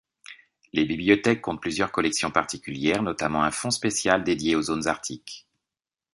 Les bibliothèques comptent plusieurs collections particulières, notamment un fonds spécial dédié aux zones arctiques.